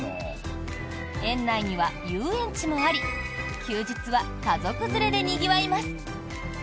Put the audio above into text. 園内には遊園地もあり休日は家族連れでにぎわいます。